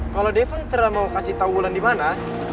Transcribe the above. kalau devon tidak mau kasih tau wulan di mana